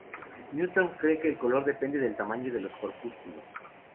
Newton cree que el color depende del tamaño de los corpúsculos.